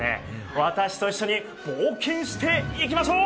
私と一緒に冒険していきましょう。